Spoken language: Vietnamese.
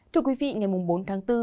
thưa quý vị ngày bốn tháng bốn